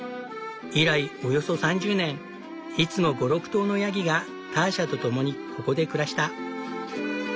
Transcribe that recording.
以来およそ３０年いつも５６頭のヤギがターシャと共にここで暮らした。